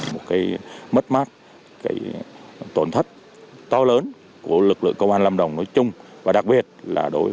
một cái mất mát cái tổn thất to lớn của lực lượng công an lâm đồng nói chung và đặc biệt là đối với